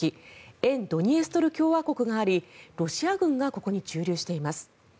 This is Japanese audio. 沿ドニエストル共和国がありロシア軍がここに駐留しています。